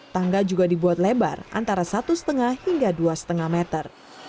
tangga juga dibuat lebar antara satu lima hingga dua lima meter